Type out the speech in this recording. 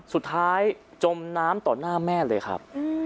สุดท้ายจมน้ำต่อหน้าแม่เลยครับ